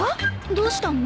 どうしたの？